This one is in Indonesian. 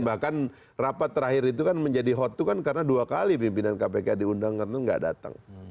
bahkan rapat terakhir itu kan menjadi hot to kan karena dua kali pimpinan kpk diundangkan itu nggak datang